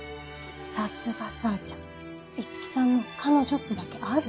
さすがさーちゃん五木さんの彼女ってだけあるね。